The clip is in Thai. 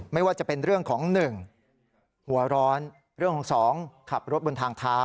ไม่ว่าจะเป็นเรื่องของ๑หัวร้อนเรื่องของ๒ขับรถบนทางเท้า